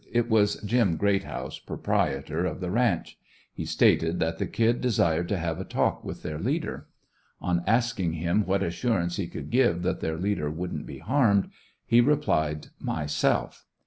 It was "Jim" Greathouse, proprietor of the ranch. He stated that the "Kid" desired to have a talk with their leader. On asking him what assurance he could give that their leader wouldn't be harmed, he replied, "myself."